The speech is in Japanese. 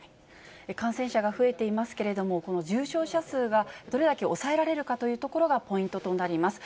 感染者が増えていますけれども、この重症者数がどれだけ抑えられるかというところがポイントとなります。